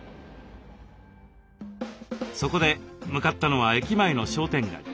そこで向かったのは駅前の商店街。